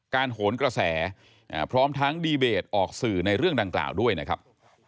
โหนกระแสพร้อมทั้งดีเบตออกสื่อในเรื่องดังกล่าวด้วยนะครับ